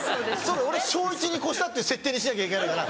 俺小１に越したっていう設定にしなきゃいけないから。